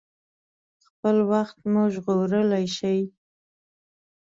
خپل وخت مو ژغورلی شئ.